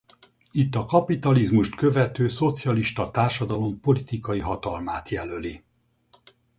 Itt a kapitalizmust követő szocialista társadalom politikai hatalmát jelöli.